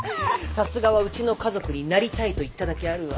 さすがはうちの家族になりたいと言っただけあるわ。